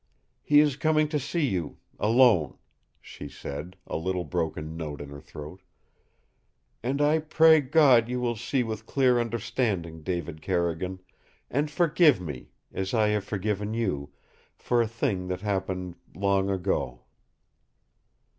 "He is coming to see you alone," she said, a little broken note in her throat. "And I pray God you will see with clear understanding, David Carrigan and forgive me as I have forgiven you for a thing that happened long ago."